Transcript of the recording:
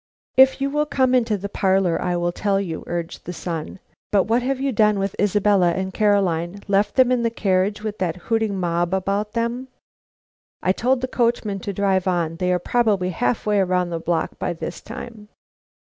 "If you will come into the parlor, I will tell you," urged the son. "But what have you done with Isabella and Caroline? Left them in the carriage with that hooting mob about them?" "I told the coachman to drive on. They are probably half way around the block by this time."